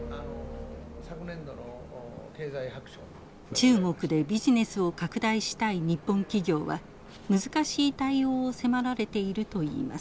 中国でビジネスを拡大したい日本企業は難しい対応を迫られているといいます。